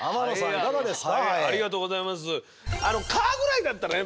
いかがですか？